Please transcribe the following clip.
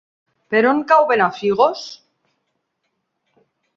Per on cau Benafigos?